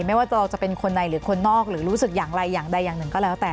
ไม่ว่าเราจะเป็นคนใดหรือคนนอกหรือรู้สึกอย่างไรอย่างใดอย่างหนึ่งก็แล้วแต่